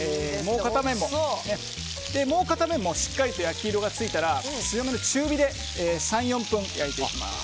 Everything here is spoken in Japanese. もう片面もしっかりと焼き色がついたら強めの中火で３４分焼いていきます。